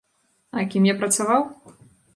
А кім я працаваў?